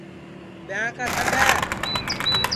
ٻیاں کا سڈؔ ہے